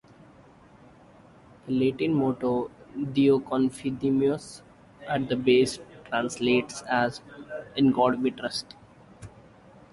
The Latin motto "Deo Confidimus" at the base translates as "In God We Trust".